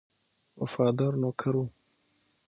وفادار نوکر وو.